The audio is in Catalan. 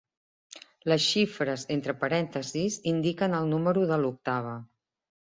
Les xifres entre parèntesis indiquen el número de l'octava.